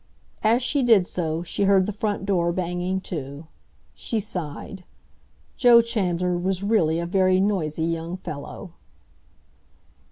As she did so, she heard the front door banging to. She sighed—Joe Chandler was really a very noisy young fellow.